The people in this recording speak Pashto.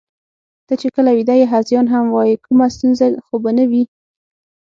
ته چې کله ویده یې، هذیان هم وایې، کومه ستونزه خو به نه وي؟